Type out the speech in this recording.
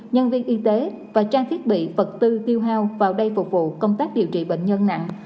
nhân viên y tế và trang thiết bị vật tư tiêu hao vào đây phục vụ công tác điều trị bệnh nhân nặng